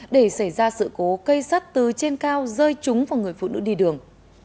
để xảy ra sự cố cây sắt từ trên cao rơi trúng vào người phụ nữ đi đường